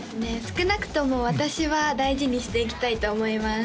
少なくとも私は大事にしていきたいと思います